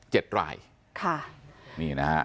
รายค่ะนี่นะฮะ